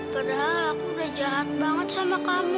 padahal aku udah jahat banget sama kamu